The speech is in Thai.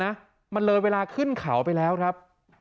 นะมันเลยเวลาขึ้นเขาไปแล้วครับ